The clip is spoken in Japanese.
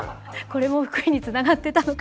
これも福井につながってたのか。